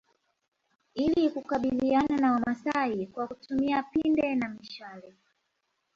Ili kukabiliana na wamasai kwa kutumia pinde na mishale